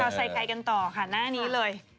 เราใส่ไว้กันต่อค่ะหน้านี้เลย